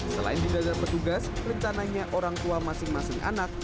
selain didagar petugas rencananya orang tua masing masing anak